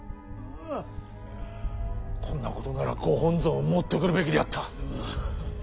こんなことならご本尊を持ってくるべきであった。